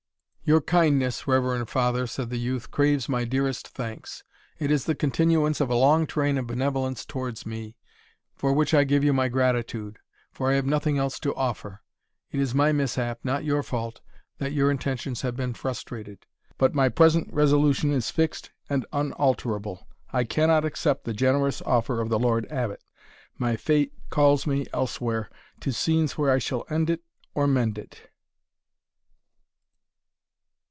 "Your kindness, reverend father," said the youth, "craves my dearest thanks it is the continuance of a long train of benevolence towards me, for which I give you my gratitude, for I have nothing else to offer. It is my mishap, not your fault, that your intentions have been frustrated. But my present resolution is fixed and unalterable. I cannot accept the generous offer of the Lord Abbot; my fate calls me elsewhere, to scenes where I shall end it or mend it."